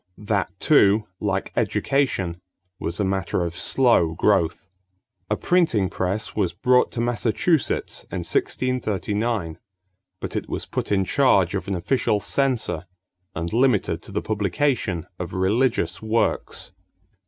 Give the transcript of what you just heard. That too, like education, was a matter of slow growth. A printing press was brought to Massachusetts in 1639, but it was put in charge of an official censor and limited to the publication of religious works.